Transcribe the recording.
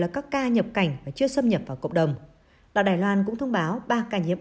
là các ca nhập cảnh mà chưa xâm nhập vào cộng đồng đạo đài loan cũng thông báo ba ca nhiễm